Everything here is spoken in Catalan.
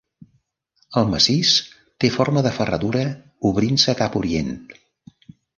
El massís té forma de ferradura obrint-se cap a orient.